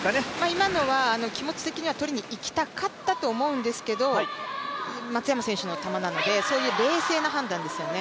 今のは気持ち的には取りに行きたかったと思うんですけど松山選手の球なので、そういう冷静な判断ですよね。